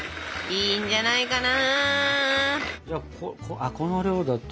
いいんじゃないかな。